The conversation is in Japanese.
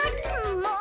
もう！